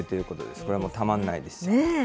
これはもう、たまらないです。